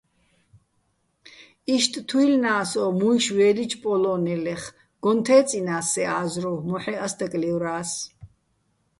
იშტ თუჲლნა́ს ო მუჲში̆ ვე́ლიჩო̆ პოლო́ნელეხ, გოჼ თე́წჲინას სე ა́ზრუვ, მოჰ̦ე́ ას დაკლივრა́ს.